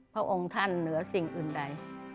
พระองค์ท่านเหนือสิ่งอื่นใด